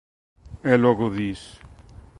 E logo dis